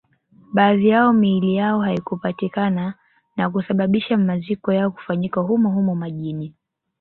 Baadhi yao miili yao haikupatikana na kusababisha maziko yao kufanyika humo humo majini